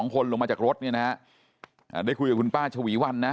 คนลงมาจากรถเนี่ยนะฮะได้คุยกับคุณป้าชวีวันนะ